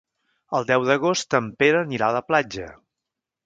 El deu d'agost en Pere anirà a la platja.